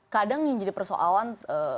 kadang yang jadi persoalan